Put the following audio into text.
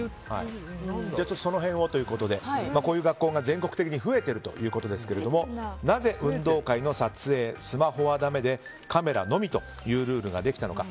その辺をということでこういう学校が全国的に増えているということですがなぜ運動会の撮影スマホはだめでカメラのみというルールができたのか。